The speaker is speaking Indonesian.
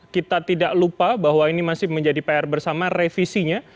kita tidak lupa bahwa ini masih menjadi pr bersama revisinya